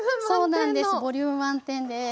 そうなんですボリューム満点です。